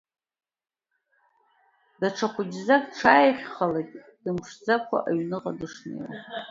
Даҽа хәыҷӡак дшааиӷьхалак дымԥшӡакәа аҩныҟа дышнеиуа.